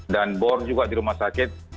dan bor juga di rumah sakit